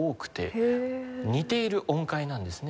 似ている音階なんですね。